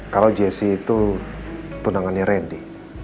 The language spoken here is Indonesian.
kalau jessi itu tunangannya randy